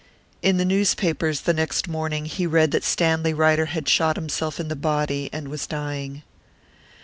In the newspapers the next morning he read that Stanley Ryder had shot himself in the body, and was dying.